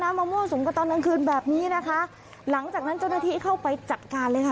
มามั่วสุมกันตอนกลางคืนแบบนี้นะคะหลังจากนั้นเจ้าหน้าที่เข้าไปจัดการเลยค่ะ